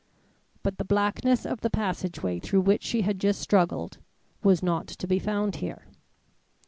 But the blackness of the passageway through which she had just struggled, was not to be found here.